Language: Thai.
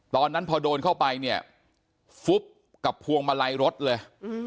ตอนนั้นพอโดนเข้าไปเนี่ยฟุบกับพวงมาลัยรถเลย